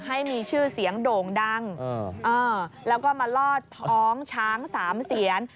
ให้มีชื่อเสียงโด่งดังแล้วก็มาลอดท้องช้างสามเสียน